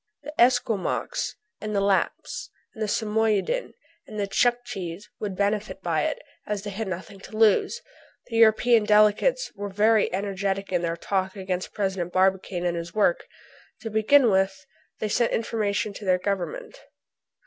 The Esquimaux and the Laps and the Samoyeden and the Tchuktchees would benefit by it, as they had nothing to lose. The European delegates were very energetic in their talk against President Barbicane and his work. To begin with they sent information to their Government.